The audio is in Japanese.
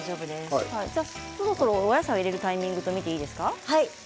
そろそろお野菜を入れるタイミングと見ていいですか？